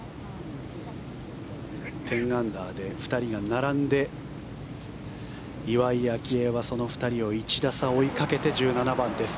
１０アンダーで２人が並んで岩井明愛はその２人を１打差追いかけて１７番です。